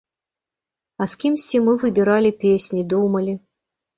А з кімсьці мы выбіралі песні, думалі.